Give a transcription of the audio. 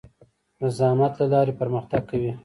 د زحمت له لارې پرمختګ کوي.